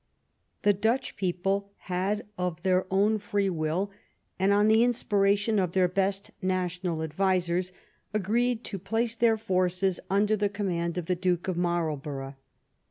The Dutch people had of their own free will, and on the inspiration of their best national advisers, agreed to place their forces under the command of the Duke of Marlborough.